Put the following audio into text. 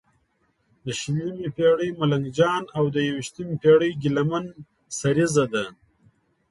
د شلمې پېړۍ ملنګ جان او د یوویشمې پېړې ګیله من سریزه ده.